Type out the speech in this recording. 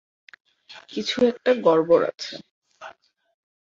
কিছু একটা গড়বর আছে।